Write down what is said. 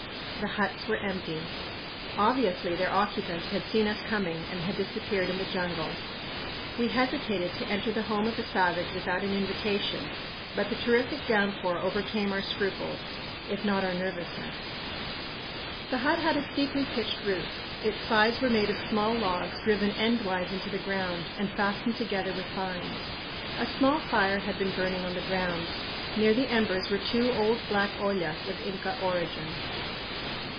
The huts were empty. Obviously their occupants had seen us coming and had disappeared in the jungle. We hesitated to enter the home of a savage without an invitation, but the terrific downpour overcame our scruples, if not our nervousness. The hut had a steeply pitched roof. Its sides were made of small logs driven endwise into the ground and fastened together with vines. A small fire had been burning on the ground. Near the embers were two old black ollas of Inca origin.